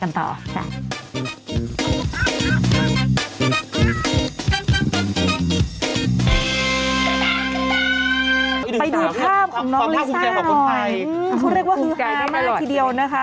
เขาเรียกว่าฮึฮามากทีเดียวนะคะ